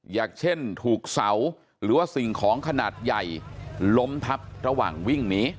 อย่างเช่นถูกเสาหรือว่าสิ่งของขนาดใหญ่ล้มทับระหว่างวิ่งหนี